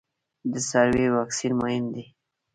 د څارویو واکسین مهم دی